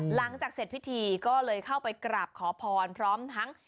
หลังจากเสร็จพิธีก็เลยเข้าไปกราบขอพรพร้อมทั้ง